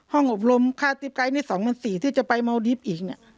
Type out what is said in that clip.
ห้องอบรมค่าติ๊ปไกท์นี้สองพันสี่ที่จะไปเมาดิ๊ปอีกเนี่ย